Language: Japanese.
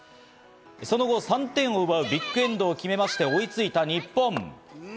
その後、３点を奪うビッグエンドを決めまして、追いついた日本。